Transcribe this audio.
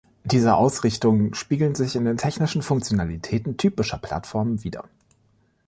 Diese Ausrichtungen spiegeln sich in den technischen Funktionalitäten typischer Plattformen wider.